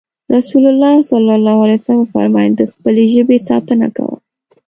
رسول الله ص وفرمايل د خپلې ژبې ساتنه کوه.